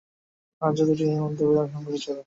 রাজ্য দুটির মধ্যে অবিরাম সংঘর্ষ চলে।